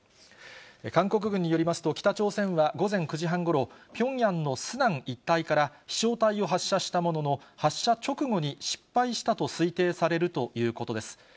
韓国軍によりますと、北朝鮮は午前９時半ごろ、ピョンヤンのスナン一帯から、飛しょう体を発射したものの、発射直後に失敗したと推定されるということです。